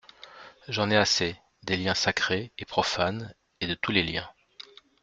J'en ai assez, des liens sacrés, et profanes, et de tous les liens.